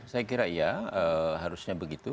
saya kira iya harusnya begitu